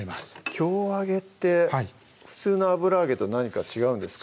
京揚げって普通の油揚げと何か違うんですか？